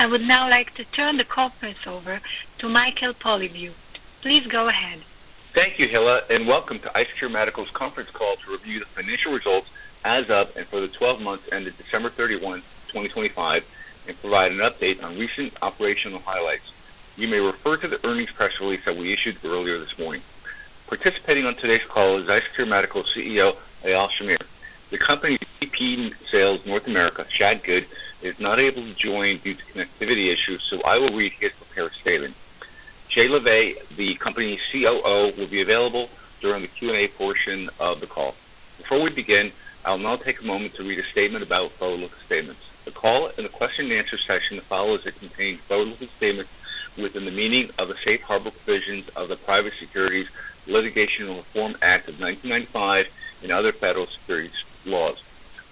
I would now like to turn the conference over to Michael Polyviou. Please go ahead. Thank you, Hilla, and welcome to IceCure Medical's conference call to review the financial results as of and for the twelve months ended December 31, 2025, and provide an update on recent operational highlights. You may refer to the earnings press release that we issued earlier this morning. Participating on today's call is IceCure Medical CEO, Eyal Shamir. The company's VP Sales North America, Shad Good, is not able to join due to connectivity issues, so I will read his prepared statement. Shay Levav, the company's COO, will be available during the Q&A portion of the call. Before we begin, I'll now take a moment to read a statement about forward-looking statements. The call and the question-and-answer session that follows it contain forward-looking statements within the meaning of the safe harbor provisions of the Private Securities Litigation Reform Act of 1995 and other federal securities laws.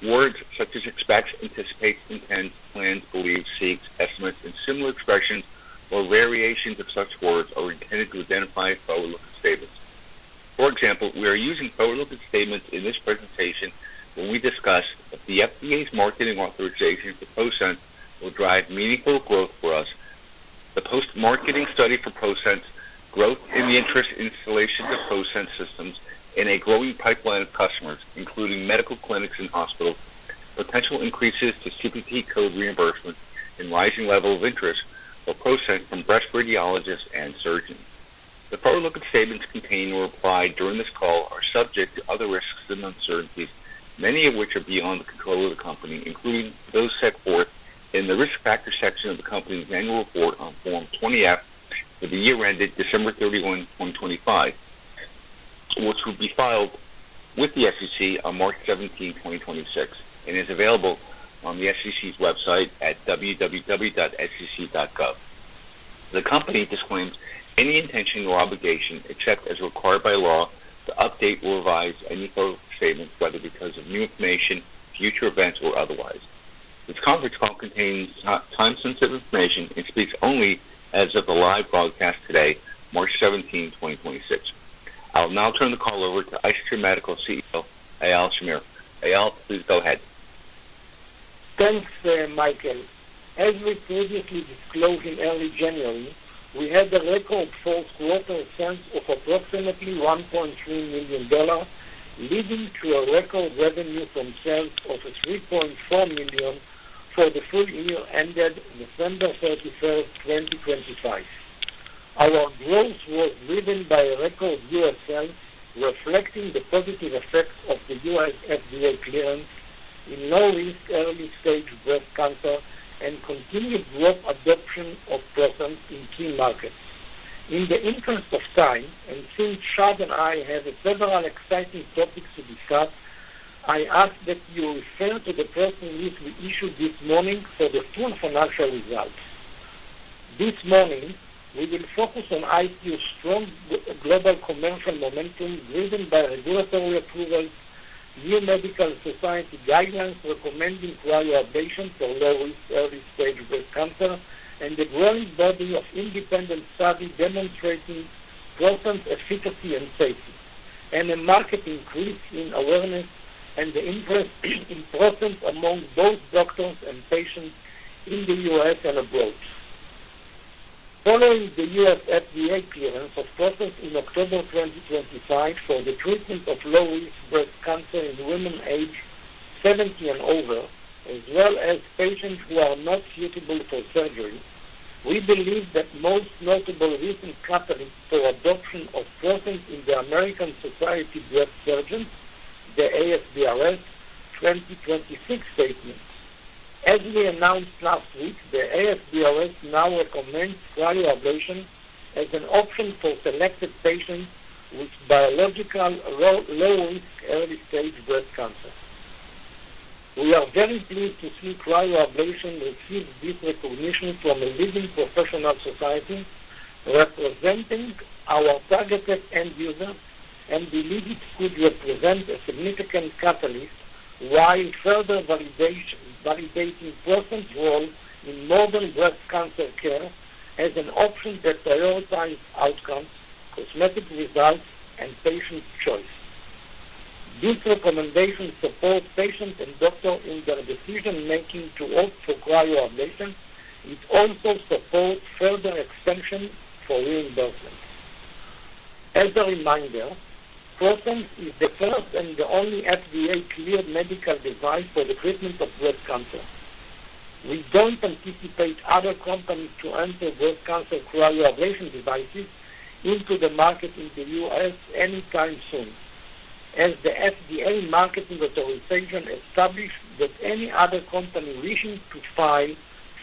Words such as expect, anticipate, intend, plan, believe, seek, estimate and similar expressions or variations of such words are intended to identify forward-looking statements. For example, we are using forward-looking statements in this presentation when we discuss that the FDA's marketing authorization for ProSense will drive meaningful growth for us. The post-marketing study for ProSense, growth in the interest and installation of ProSense systems, and a growing pipeline of customers, including medical clinics and hospitals, potential increases to CPT code reimbursement, and rising level of interest for ProSense from breast radiologists and surgeons. The forward-looking statements contained or applied during this call are subject to other risks and uncertainties, many of which are beyond the control of the company, including those set forth in the Risk Factors section of the company's annual report on Form 20-F for the year ended December 31, 2025, which will be filed with the SEC on March 17, 2026, and is available on the SEC's website at www.sec.gov. The company disclaims any intention or obligation, except as required by law, to update or revise any forward statement, whether because of new information, future events, or otherwise. This conference call contains time-sensitive information and speaks only as of the live broadcast today, March 17, 2026. I'll now turn the call over to IceCure Medical CEO, Eyal Shamir. Eyal, please go ahead. Thanks, Michael. As we previously disclosed in early January, we had a record fourth quarter sales of approximately $1.3 million, leading to a record revenue from sales of $3.4 million for the full year ended December 31st, 2025. Our growth was driven by a record unit sales, reflecting the positive effects of the U.S. FDA clearance in low-risk early-stage breast cancer and continued broad adoption of ProSense in key markets. In the interest of time, and since Shay and I have several exciting topics to discuss, I ask that you refer to the press release we issued this morning for the full financial results. This morning, we will focus on IceCure's strong global commercial momentum driven by regulatory approvals, new medical society guidelines recommending cryoablation for low-risk early-stage breast cancer, and the growing body of independent studies demonstrating ProSense efficacy and safety, and a market increase in awareness and the interest in ProSense among both doctors and patients in the U.S. and abroad. Following the U.S. FDA clearance of ProSense in October 2025 for the treatment of low-risk breast cancer in women aged 70 and over, as well as patients who are not suitable for surgery, we believe the most notable recent catalyst for adoption of ProSense is the American Society of Breast Surgeons, the ASBrS 2026 statements. As we announced last week, the ASBrS now recommends cryoablation as an option for selected patients with biological low-risk early-stage breast cancer. We are very pleased to see cryoablation receive this recognition from a leading professional society representing our targeted end user and believe it could represent a significant catalyst while further validating ProSense's role in modern breast cancer care as an option that prioritizes outcomes, cosmetic results, and patient choice. This recommendation supports patients and doctors in their decision-making to opt for cryoablation. It also supports further expansion for reimbursement. As a reminder, ProSense is the first and the only FDA-cleared medical device for the treatment of breast cancer. We don't anticipate other companies to enter breast cancer cryoablation devices into the market in the U.S. anytime soon. As the FDA marketing authorization established that any other company wishing to file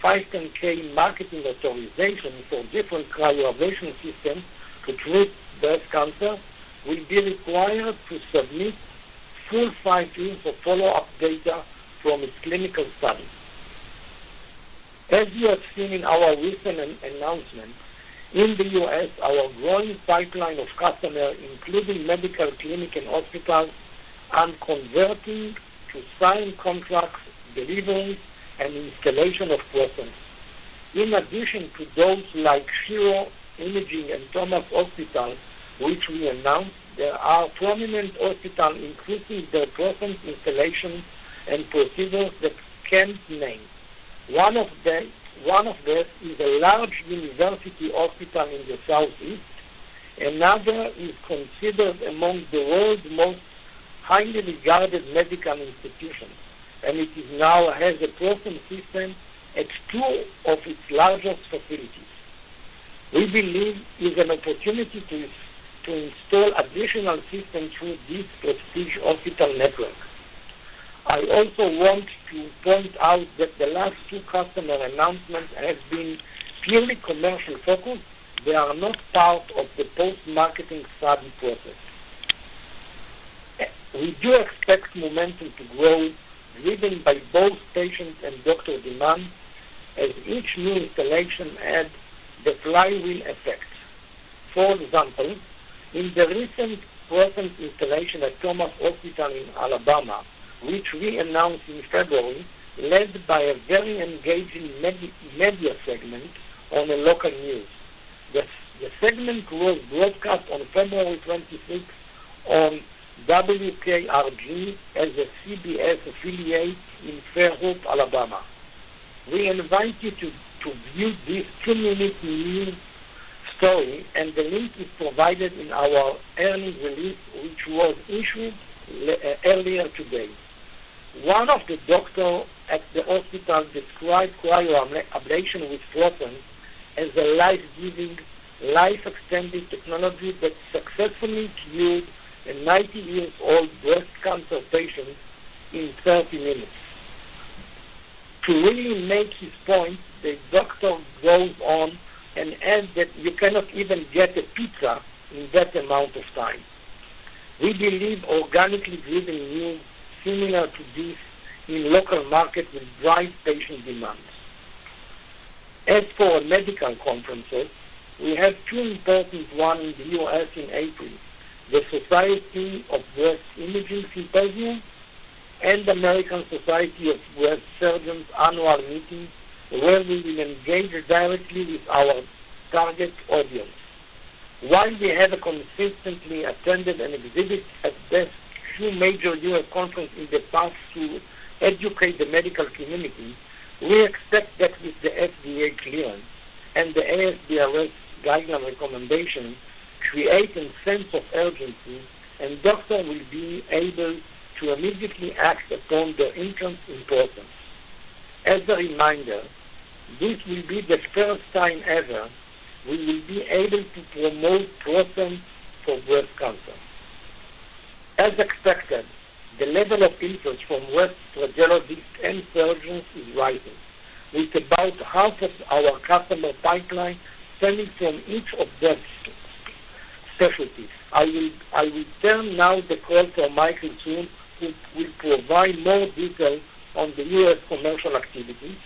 510(k) marketing authorization for different cryoablation system to treat breast cancer will be required to submit full filings of follow-up data from its clinical studies. As you have seen in our recent announcement, in the U.S., our growing pipeline of customers, including medical clinics and hospitals, are converting to signed contracts, delivery, and installation of ProSense. In addition to those like Shero Imaging and Thomas Hospital, which we announced, there are prominent hospitals increasing their ProSense installation and procedures that we can't name. One of them is a large university hospital in the Southeast. Another is considered among the world's most highly regarded medical institutions, and it now has a ProSense system at two of its largest facilities. We believe there is an opportunity to install additional systems through this prestigious hospital network. I also want to point out that the last two customer announcements have been purely commercially focused. They are not part of the post-marketing study process. We do expect momentum to grow, driven by both patients and doctor demand, as each new installation adds the flywheel effect. For example, in the recent ProSense installation at Thomas Hospital in Alabama, which we announced in February, led by a very engaging media segment on the local news. The segment was broadcast on February 26th, on WKRG as a CBS affiliate in Fairhope, Alabama. We invite you to view this two-minute news story, and the link is provided in our earnings release, which was issued earlier today. One of the doctors at the hospital described cryoablation with ProSense as a life-giving, life-extending technology that successfully cured a ninety-year-old breast cancer patient in 30 minutes. To really make his point, the doctor goes on and adds that you cannot even get a pizza in that amount of time. We believe organically driven news similar to this in local markets will drive patient demands. As for medical conferences, we have two important ones in the U.S. in April, the Society of Breast Imaging Symposium and American Society of Breast Surgeons annual meeting, where we will engage directly with our target audience. While we have consistently attended and exhibited at these two major U.S. conferences in the past to educate the medical community, we expect that with the FDA clearance and the ASBrS guideline recommendation create a sense of urgency, and doctors will be able to immediately act upon the interest in ProSense. As a reminder, this will be the first time ever we will be able to promote ProSense for breast cancer. As expected, the level of interest from breast radiologists and surgeons is rising, with about half of our customer pipeline stemming from each of these specialties. I will turn now the call to Michael Polyviou, who will provide more details on the U.S. commercial activities.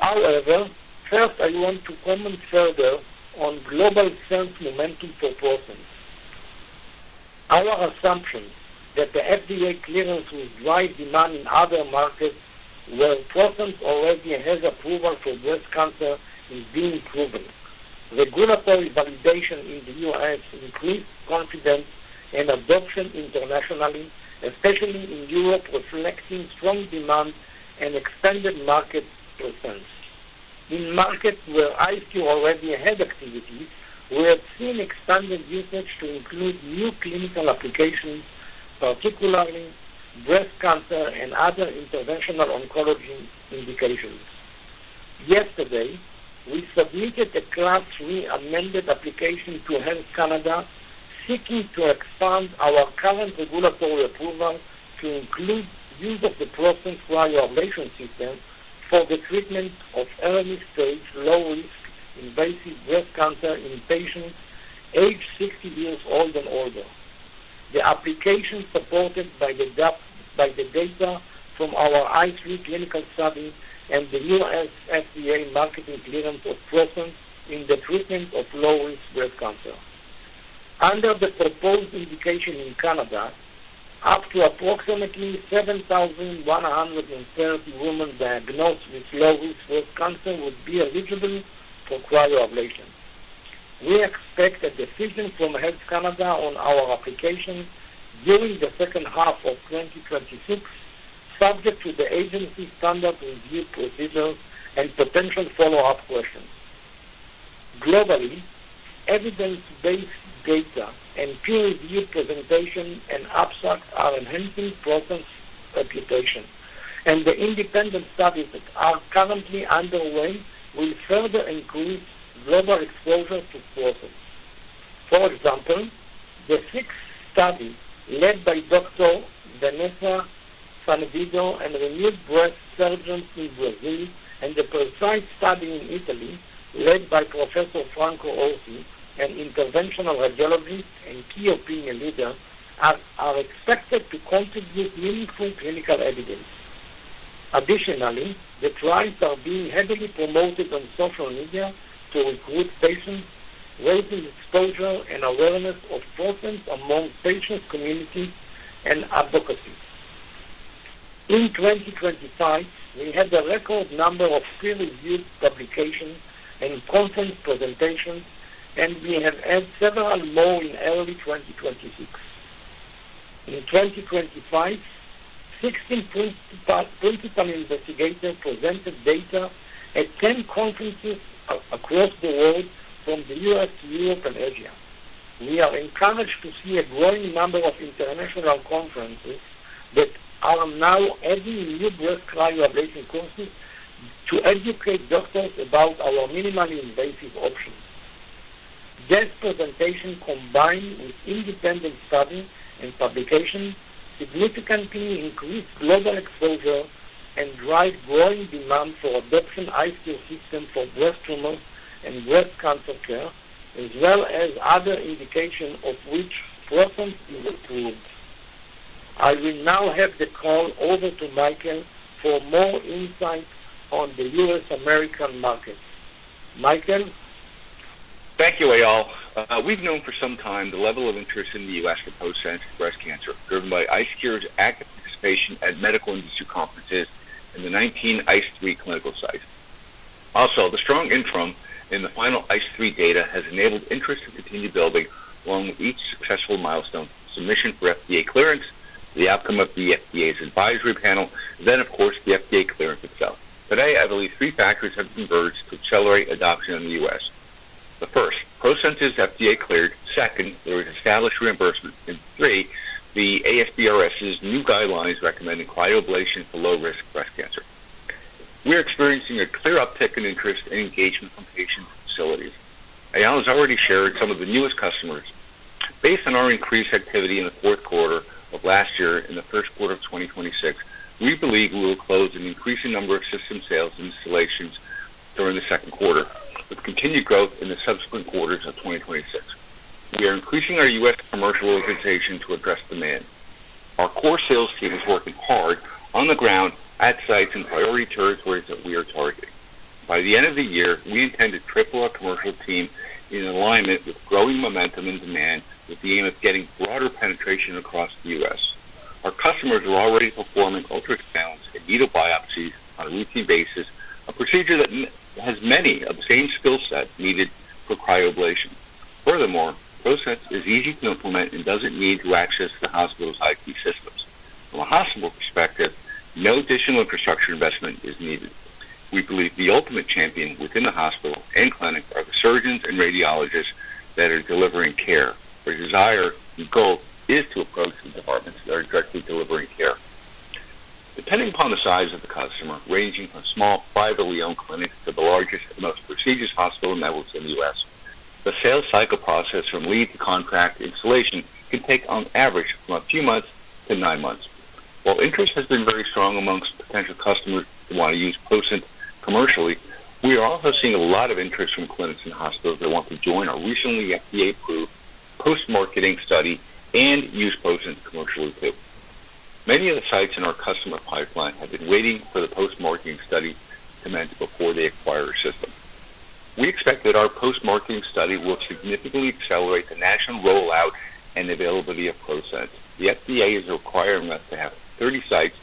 However, first I want to comment further on global sales momentum for ProSense. Our assumption that the FDA clearance will drive demand in other markets where ProSense already has approval for breast cancer is being proven. Regulatory validation in the U.S. increased confidence and adoption internationally, especially in Europe, reflecting strong demand and expanded market presence. In markets where IceCure already had activity, we have seen expanded usage to include new clinical applications, particularly breast cancer and other interventional oncology indications. Yesterday, we submitted a Class III amended application to Health Canada seeking to expand our current regulatory approval to include use of the ProSense cryoablation system for the treatment of early-stage, low-risk invasive breast cancer in patients aged 60 years old and older. The application supported by the data from our ICE3 clinical study and the U.S. FDA marketing clearance of ProSense in the treatment of low-risk breast cancer. Under the proposed indication in Canada, up to approximately 7,130 women diagnosed with low-risk breast cancer would be eligible for cryoablation. We expect a decision from Health Canada on our application during the second half of 2026, subject to the agency's standard review procedures and potential follow-up questions. Globally, evidence-based data and peer-reviewed presentations and abstracts are enhancing ProSense's reputation, and the independent studies that are currently underway will further increase global exposure to ProSense. For example, the sixth study led by Dr. Vanessa Sanvido, a renowned breast surgeon in Brazil, and the PRECICE study in Italy led by Professor Franco Orsi, an interventional radiologist and key opinion leader, are expected to contribute meaningful clinical evidence. Additionally, the trials are being heavily promoted on social media to recruit patients, raising exposure and awareness of ProSense among patients, community, and advocacy. In 2025, we had a record number of peer-reviewed publications and conference presentations, and we have had several more in early 2026. In 2025, 60 principal investigators presented data at 10 conferences across the world from the U.S., Europe, and Asia. We are encouraged to see a growing number of international conferences that are now adding new breast cryoablation courses to educate doctors about our minimally invasive options. These presentations combined with independent studies and publications significantly increase global exposure and drive growing demand for adoption IceCure system for breast tumors and breast cancer care, as well as other indications of which prostate is the lead. I will now hand the call over to Michael for more insight on the U.S. American market. Michael? Thank you, Eyal. We've known for some time the level of interest in the U.S. for ProSense breast cancer, driven by IceCure's active participation at medical institute conferences in the 19 ICE3 clinical sites. The strong interim and the final ICE3 data has enabled interest to continue building along with each successful milestone, submission for FDA clearance, the outcome of the FDA's advisory panel, then of course, the FDA clearance itself. Today, I believe three factors have converged to accelerate adoption in the U.S. The first, ProSense is FDA cleared. Second, there is established reimbursement. Three, the ASBrS's new guidelines recommending cryoablation for low-risk breast cancer. We are experiencing a clear uptick in interest and engagement from patients and facilities. Eyal has already shared some of the newest customers. Based on our increased activity in the fourth quarter of last year and the first quarter of 2026, we believe we will close an increasing number of system sales and installations during the second quarter, with continued growth in the subsequent quarters of 2026. We are increasing our U.S. commercial organization to address demand. Our core sales team is working hard on the ground at sites in priority territories that we are targeting. By the end of the year, we intend to triple our commercial team in alignment with growing momentum and demand with the aim of getting broader penetration across the U.S. Our customers are already performing ultrasound and needle biopsies on a routine basis, a procedure that has many of the same skill sets needed for cryoablation. Furthermore, ProSense is easy to implement and doesn't need to access the hospital's IT systems. From a hospital perspective, no additional infrastructure investment is needed. We believe the ultimate champion within the hospital and clinic are the surgeons and radiologists that are delivering care. Their desire and goal is to approach the departments that are directly delivering care. Depending upon the size of the customer, ranging from small privately owned clinics to the largest and most prestigious hospital networks in the U.S., the sales cycle process from lead to contract installation can take on average from a few months to nine months. While interest has been very strong amongst potential customers who want to use ProSense commercially, we are also seeing a lot of interest from clinics and hospitals that want to join our recently FDA-approved post-marketing study and use ProSense commercially too. Many of the sites in our customer pipeline have been waiting for the post-marketing study to commence before they acquire a system. We expect that our post-marketing study will significantly accelerate the national rollout and availability of ProSense. The FDA is requiring us to have 30 sites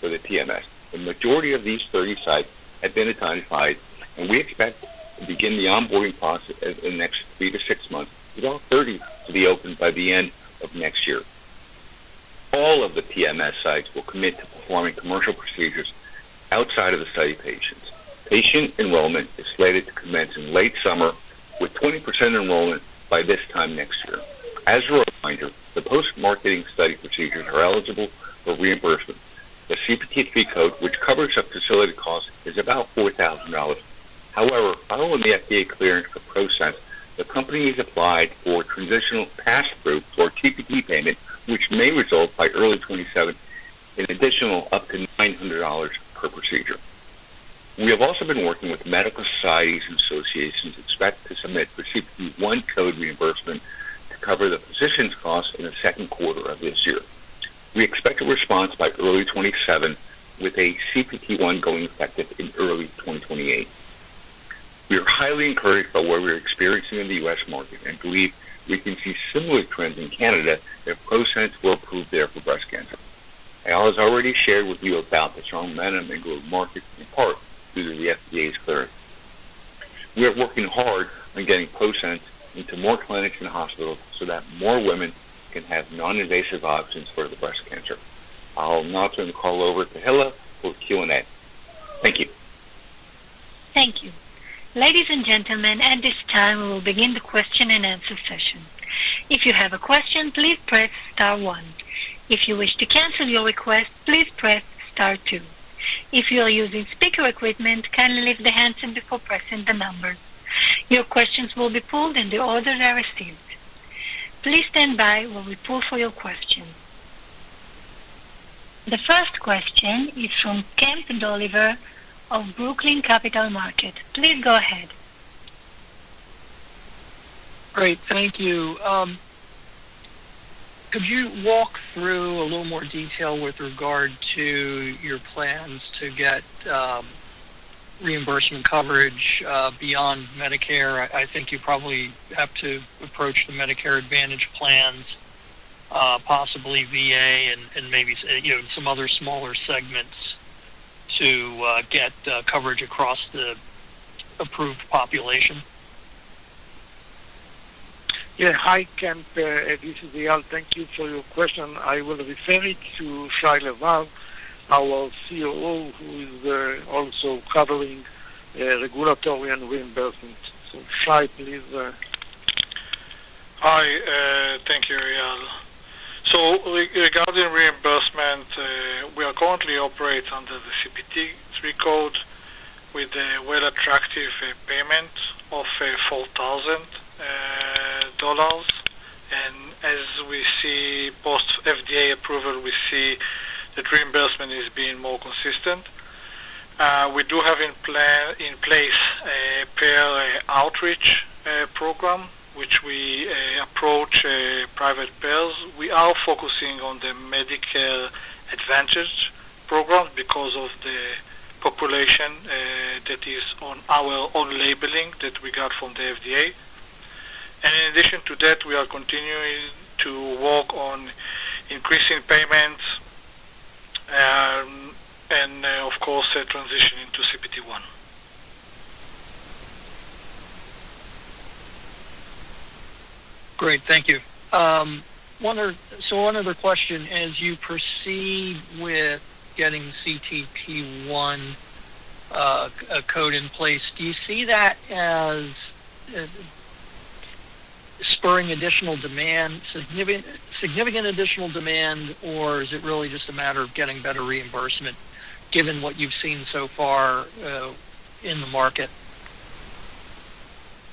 for the PMS. The majority of these 30 sites have been identified, and we expect to begin the onboarding process in the next three to six months, with all 30 to be open by the end of next year. All of the PMS sites will commit to performing commercial procedures outside of the study patients. Patient enrollment is slated to commence in late summer, with 20% enrollment by this time next year. As a reminder, the post-marketing study procedures are eligible for reimbursement. The CPT code, which covers up to facility costs, is about $4,000. However, following the FDA clearance for ProSense, the company has applied for transitional pass-through for CPT payment, which may result by early 2027 in an additional up to $900 per procedure. We have also been working with medical societies and associations and expect to submit for CPT 1 code reimbursement to cover the physician's costs in the second quarter of this year. We expect a response by early 2027, with a CPT 1 going effective in early 2028. We are highly encouraged by what we're experiencing in the U.S. market and believe we can see similar trends in Canada if ProSense were approved there for breast cancer. Eyal has already shared with you about the strong momentum in global markets, in part due to the FDA's clearance. We are working hard on getting ProSense into more clinics and hospitals so that more women can have non-invasive options for the breast cancer. I'll now turn the call over to Hilla for Q&A. Thank you. Thank you. Ladies and gentlemen, at this time, we will begin the question-and-answer session. If you have a question, please press star one. If you wish to cancel your request, please press star two. If you are using speaker equipment, kindly lift the handset before pressing the number. Your questions will be pulled in the order they are received. Please stand by while we pull for your question. The first question is from Kemp Dolliver of Brookline Capital Markets. Please go ahead. Great. Thank you. Could you walk through a little more detail with regard to your plans to get? Reimbursement coverage beyond Medicare, I think you probably have to approach the Medicare Advantage plans, possibly VA and maybe you know, some other smaller segments to get coverage across the approved population? Yeah. Hi, Kemp. This is Eyal. Thank you for your question. I will refer it to Shay Levav, our COO, who is also covering regulatory and reimbursement. Shay, please. Hi. Thank you, Eyal. Regarding reimbursement, we are currently operate under the CPT Category III code with a very attractive payment of $4,000. As we see post-FDA approval, we see that reimbursement is being more consistent. We do have in place a payer outreach program, which we approach private payers. We are focusing on the Medicare Advantage program because of the population that is on our own labeling that we got from the FDA. In addition to that, we are continuing to work on increasing payments and of course transitioning to CPT Category I. Great. Thank you. One other question. As you proceed with getting CPT I code in place, do you see that as spurring additional demand, significant additional demand, or is it really just a matter of getting better reimbursement given what you've seen so far in the market?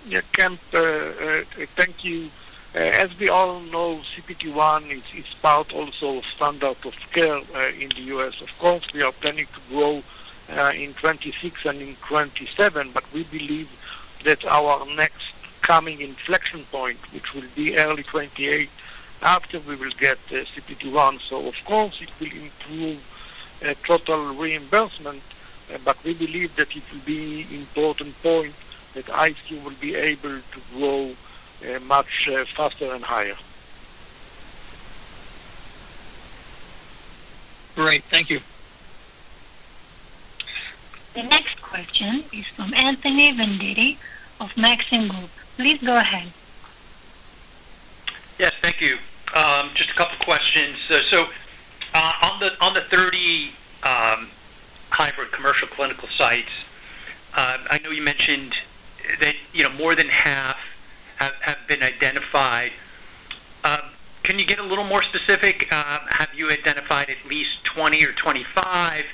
Yeah, Kemp, thank you. As we all know, CPT one is part also of standard of care in the U.S. Of course, we are planning to grow in 2026 and in 2027, but we believe that our next coming inflection point, which will be early 2028 after we will get CPT one. Of course it will improve total reimbursement, but we believe that it will be important point that we will be able to grow much faster and higher. Great. Thank you. The next question is from Anthony Vendetti of Maxim Group. Please go ahead. Yes, thank you. Just a couple questions. On the 30 hybrid commercial clinical sites, I know you mentioned that, you know, more than half have been identified. Can you get a little more specific, have you identified at least 20 or 25?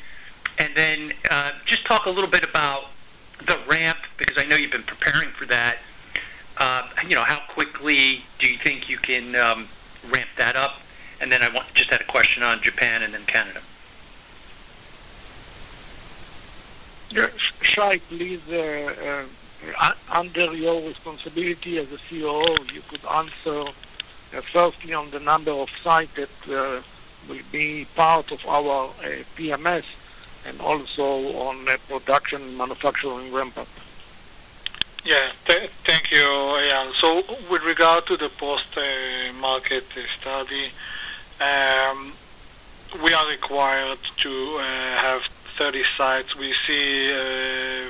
Just talk a little bit about the ramp, because I know you've been preparing for that. You know, how quickly do you think you can ramp that up? Just had a question on Japan and then Canada. Yeah. Shay, please, under your responsibility as a COO, you could answer firstly on the number of site that will be part of our PMS and also on production manufacturing ramp-up. Yeah. Thank you, Eyal. With regard to the post-market study, we are required to have 30 sites. We see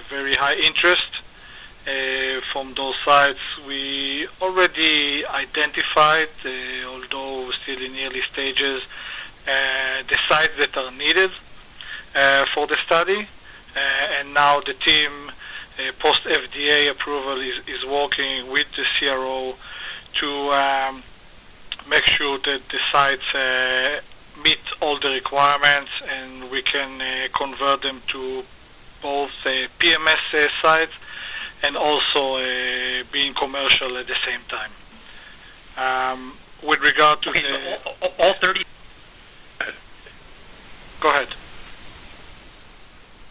very high interest from those sites. We already identified, although still in early stages, the sites that are needed for the study. Now the team, post FDA approval, is working with the CRO to make sure that the sites meet all the requirements, and we can convert them to both PMS sites and also being commercial at the same time. With regard to the- Okay. All 30? Go ahead.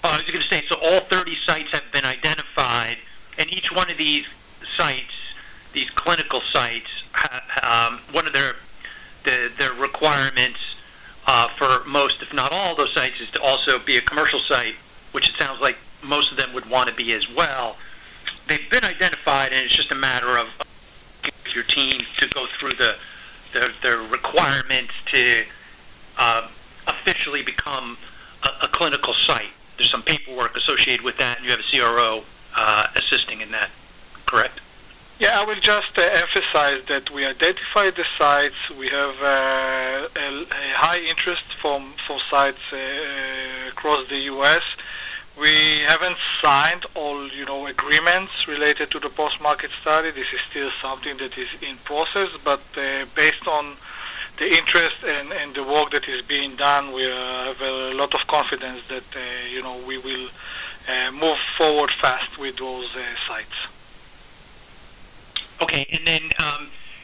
I was gonna say, all 30 sites have been identified, and each one of these sites, these clinical sites, one of their requirements, for most, if not all of those sites, is to also be a commercial site, which it sounds like most of them would wanna be as well. They've been identified, and it's just a matter of your team to go through the requirements to officially become a clinical site. There's some paperwork associated with that, and you have a CRO assisting in that, correct? I will just emphasize that we identified the sites. We have a high interest for sites across the U.S. We haven't signed all, you know, agreements related to the post-market study. This is still something that is in process. Based on the interest and the work that is being done, we have a lot of confidence that, you know, we will move forward fast with those sites. Okay.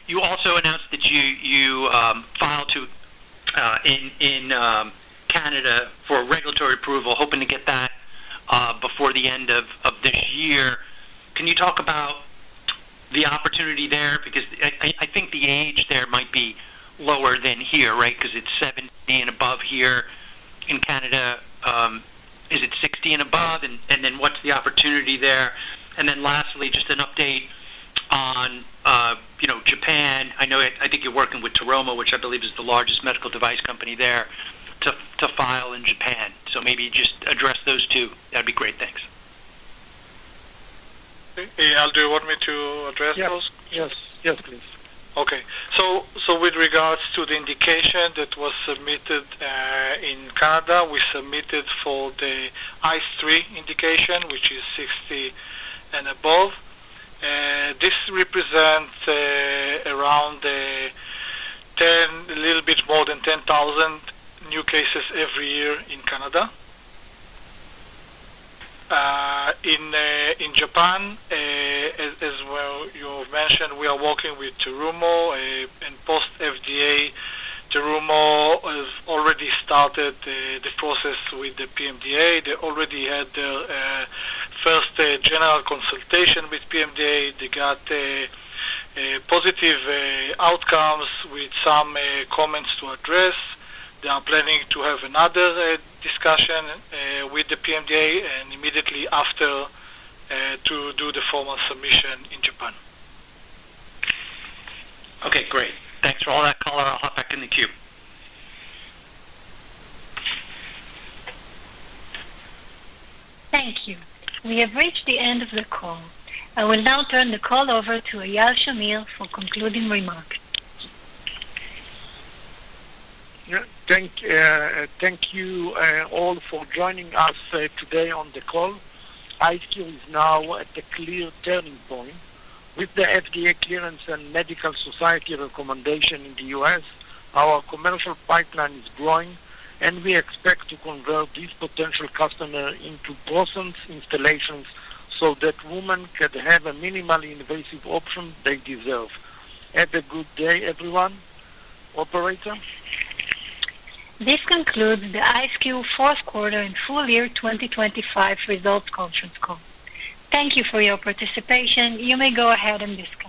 You also announced that you filed in Canada for regulatory approval, hoping to get that before the end of this year. Can you talk about the opportunity there? Lower than here, right? Because it's 70 and above here in Canada, is it 60 and above? What's the opportunity there? Lastly, just an update on, you know, Japan. I know I think you're working with Terumo, which I believe is the largest medical device company there to file in Japan. So maybe just address those two. That'd be great. Thanks. Eyal, do you want me to address those? Yes. Yes. Yes, please. With regards to the indication that was submitted in Canada, we submitted for the ICE3 indication, which is 60 and above. This represents around a little bit more than 10,000 new cases every year in Canada. In Japan, as well you've mentioned, we are working with Terumo and post FDA, Terumo has already started the process with the PMDA. They already had their first general consultation with PMDA. They got a positive outcomes with some comments to address. They are planning to have another discussion with the PMDA and immediately after to do the formal submission in Japan. Okay, great. Thanks for all that color. I'll hop back in the queue. Thank you. We have reached the end of the call. I will now turn the call over to Eyal Shamir for concluding remarks. Yeah. Thank you all for joining us today on the call. IceCure is now at a clear turning point. With the FDA clearance and medical society recommendation in the U.S., our commercial pipeline is growing, and we expect to convert these potential customers into thousands of installations so that women can have a minimally invasive option they deserve. Have a good day, everyone. This concludes the IceCure fourth quarter and full year 2025 results conference call. Thank you for your participation. You may go ahead and disconnect.